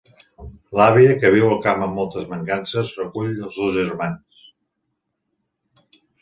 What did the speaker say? L'àvia, que viu al camp amb moltes mancances, recull els dos germans.